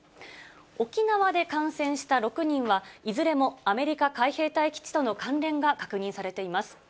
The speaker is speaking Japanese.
沖縄で感染した６人は、いずれもアメリカ海兵隊基地との関連が確認されています。